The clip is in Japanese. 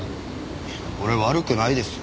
俺悪くないですよ。